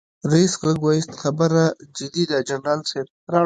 ريس غږ واېست خبره جدي ده جنرال صيب.